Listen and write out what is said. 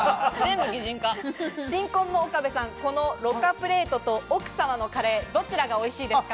新婚の岡部さん、ろかプレートと奥様のカレー、どちらがおいしいですか？